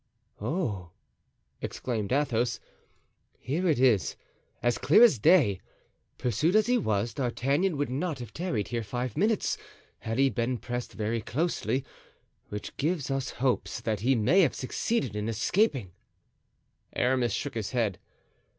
"Oh!" exclaimed Athos, "here it is, as clear as day; pursued as he was, D'Artagnan would not have tarried here five minutes had he been pressed very closely, which gives us hopes that he may have succeeded in escaping." Aramis shook his head.